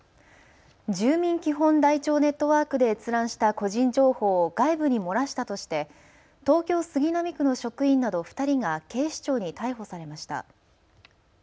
住民基本台帳ネットワークで閲覧した個人情報を外部に漏らしたとして東京杉並区の職員など２人が警視庁に逮捕されました。